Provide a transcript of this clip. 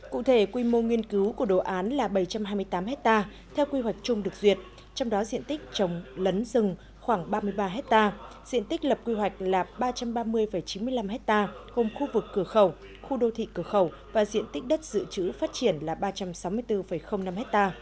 cụ thể quy mô nghiên cứu của đồ án là bảy trăm hai mươi tám ha theo quy hoạch chung được duyệt trong đó diện tích trồng lấn rừng khoảng ba mươi ba hectare diện tích lập quy hoạch là ba trăm ba mươi chín mươi năm ha gồm khu vực cửa khẩu khu đô thị cửa khẩu và diện tích đất dự trữ phát triển là ba trăm sáu mươi bốn năm ha